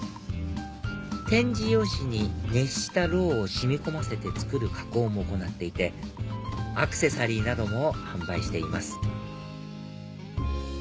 点字用紙に熱したろうを染み込ませて作る加工も行っていてアクセサリーなども販売しています